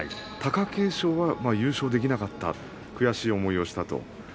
貴景勝は優勝ができなかった悔しい思いをした。